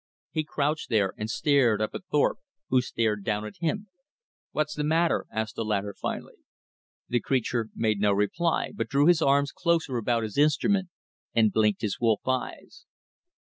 He crouched there and stared up at Thorpe, who stared down at him. "What's the matter?" asked the latter finally. The creature made no reply, but drew his arms closer about his instrument, and blinked his wolf eyes.